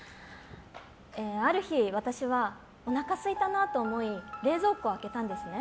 ある日、私はおなかすいたなと思い冷蔵庫を開けたんですね。